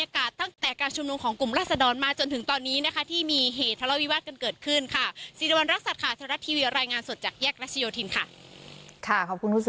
ค่ะขอบคุณทุกสิริวัณด้วยนะคะ